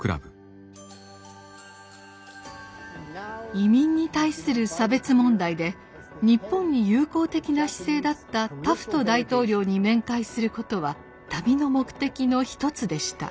移民に対する差別問題で日本に友好的な姿勢だったタフト大統領に面会することは旅の目的の一つでした。